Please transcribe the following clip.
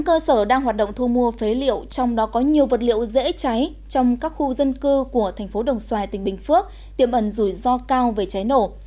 hai mươi tám cơ sở đang hoạt động thu mua phế liệu trong đó có nhiều vật liệu dễ cháy trong các khu dân cư của tp đồng xoài tỉnh bình phước tiệm ẩn rủi ro cao về cháy nổ